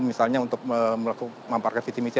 misalnya untuk memaparkan visi misi